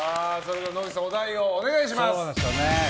では野口さんお題をお願いします。